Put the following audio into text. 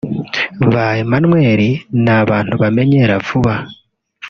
Ba Emmanuel ni abantu bamenyera vuba